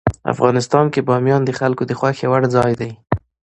افغانستان کې بامیان د خلکو د خوښې وړ ځای دی.